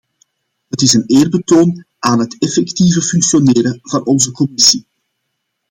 Het is een eerbetoon aan het effectieve functioneren van onze commissie.